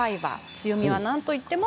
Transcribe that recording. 強みは、なんといっても。